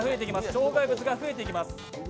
障害物が増えていきます。